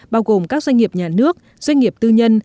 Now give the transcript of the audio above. bao gồm các doanh nghiệp nhà nước doanh nghiệp tư nhân